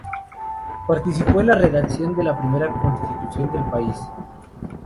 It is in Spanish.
Participó en la redacción de la primera Constitución del país.